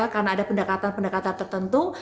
karena ada pendekatan pendekatan tertentu